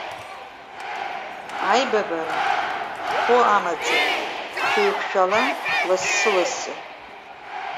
Аибабара хәы амаӡам, шәеиқәшәала лассы-лассы!